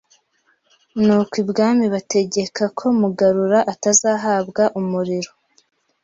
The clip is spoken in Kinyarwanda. Nuko ibwami bategeka ko Mugarura atazahabwa umuriro